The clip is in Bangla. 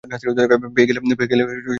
পেয়ে গেলেই পাঠিয়ে দিব।